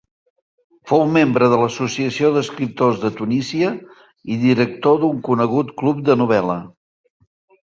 Fou membre de l'Associació d'Escriptors de Tunísia i director d'un conegut club de novel·la.